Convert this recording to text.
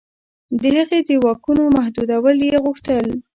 د هغې د واکونو محدودېدل یې غوښتل.